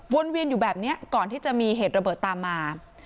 เวียนอยู่แบบนี้ก่อนที่จะมีเหตุระเบิดตามมา